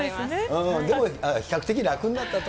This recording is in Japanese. でも、比較的楽になったと。